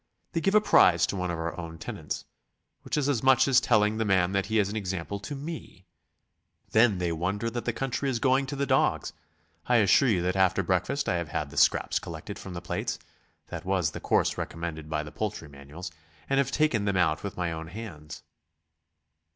They give a prize to one of our own tenants ... which is as much as telling the man that he is an example to me. Then they wonder that the country is going to the dogs. I assure you that after breakfast I have had the scraps collected from the plates that was the course recommended by the poultry manuals and have taken them out with my own hands."